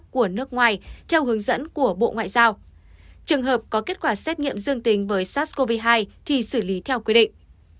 các trường hợp có kết quả xét nghiệm dương tính với sars cov hai thì xử lý theo quy định